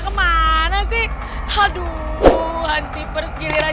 buat rasanya hari kalian ga mesti lah